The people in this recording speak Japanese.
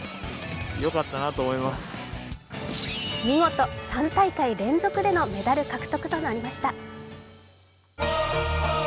見事、３大会連続でのメダル獲得となりました。